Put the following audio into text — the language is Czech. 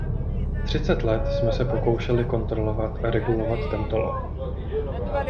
Třicet let jsme se pokoušeli kontrolovat a regulovat tento lov.